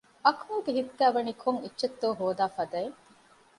އަކުމަލްގެ ހިތުގައިވަނީ ކޮންއެއްޗެއްތޯ ހޯދާ ފަދައިން